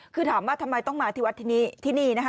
คือถามว่าทำไมต้องมาที่วัดที่นี้ที่นี่นะคะ